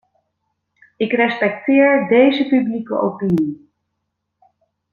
Ik respecteer deze publieke opinie.